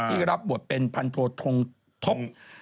รับบทเป็นพันโททงทบ